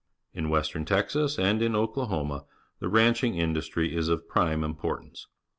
In western Texas and in Oklahoma the ranching industry is of prime importance.